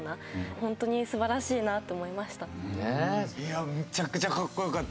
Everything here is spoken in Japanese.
ホントに素晴らしいなと思いました。